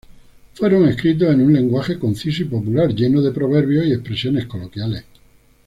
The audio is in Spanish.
Fueron escritos en un lenguaje conciso y popular, lleno de proverbios y expresiones coloquiales.